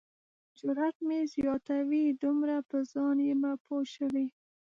جرات مې زیاتوي دومره په ځان یمه پوه شوی.